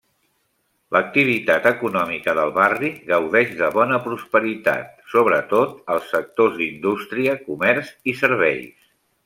L'activitat econòmica del barri gaudeix de bona prosperitat, sobretot als sectors d'indústria, comerç i serveis.